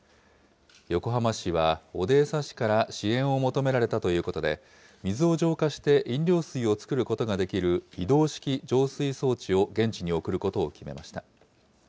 横浜市はオデーサ市から支援を求められたということで、水を浄化して飲料水を作ることができる、移動式浄水装置を現地に送ることを決めました。